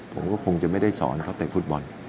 ผมก็คงจะไม่ได้สอนเขาเตะฟุตบอล